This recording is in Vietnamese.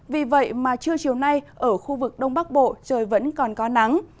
vì vậy mà trưa chiều nay ở khu vực đông bắc bộ trời vẫn còn có nắng